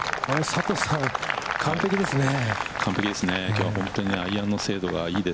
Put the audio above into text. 佐藤さん、完璧ですねえ。